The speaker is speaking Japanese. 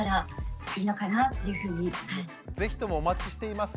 是非ともお待ちしています。